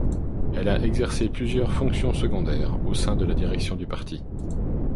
Elle a exercé plusieurs fonctions secondaires au sein de la direction du parti.